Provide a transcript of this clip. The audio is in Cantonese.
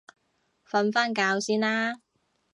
瞓返覺先啦